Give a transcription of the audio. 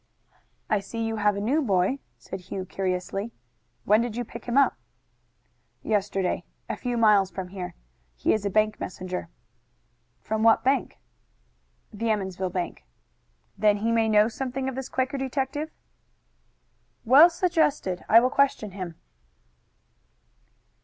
"I see you have a new boy," said Hugh curiously. "When did you pick him up?" "Yesterday, a few miles from here. He is a bank messenger." "From what bank?" "The Emmonsville bank." "Then he may know something of this Quaker detective?" "Well suggested. I will question him."